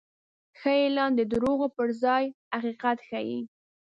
ښه اعلان د دروغو پر ځای حقیقت ښيي.